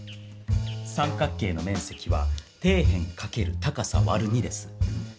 三角形の面積は底辺かける高さわる２です。